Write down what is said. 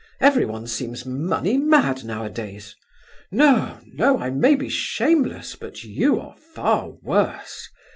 Everyone seems money mad nowadays. No, no! I may be shameless, but you are far worse.